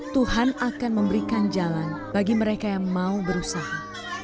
tuhan akan memberikan jalan bagi mereka yang mau berusaha